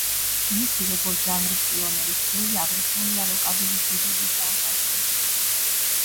მისი, როგორც ჟანრის პიონერის, წვლილი აღნიშნულია როკაბილის დიდების დარბაზში.